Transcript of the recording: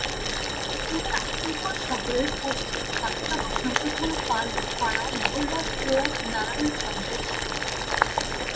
তিনি আক্কেলপুর শহরের পশ্চিম হাস্তাবসন্তপুর পালপাড়া মহল্লার প্রয়াত নারায়ণ চন্দ্রের ছেলে।